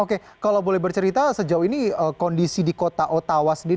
oke kalau boleh bercerita sejauh ini kondisi di kota ottawa sendiri